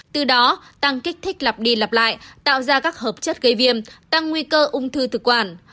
từ đó tăng kích thích lặp đi lặp lại tạo ra các hợp chất gây viêm tăng nguy cơ ung thư thực quản